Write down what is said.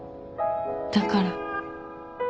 だから。